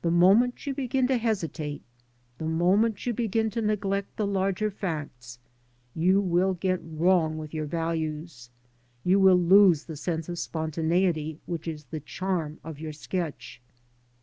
The moment you begin to hesitate, the moment you begin to neglect the larger facts, you will get wrong with your values, you will lose the sense of spontaneity which is the charm of your sketch.